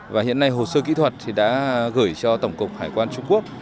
và hiện nay hồ sơ kỹ thuật thì đã gửi cho tổng cục hải quan trung quốc